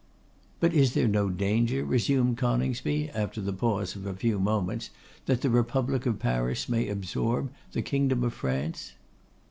'But is there no danger,' resumed Coningsby, after the pause of a few moments, 'that the Republic of Paris may absorb the Kingdom of France?